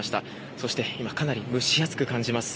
そして、今かなり蒸し暑く感じます。